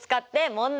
問題！